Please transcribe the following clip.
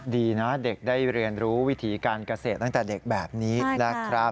ดีนะเด็กได้เรียนรู้วิถีการเกษตรตั้งแต่เด็กแบบนี้นะครับ